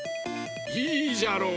いいじゃろう。